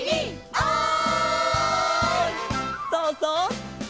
「おい！」